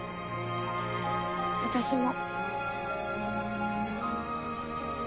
私も。